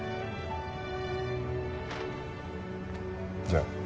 じゃあ。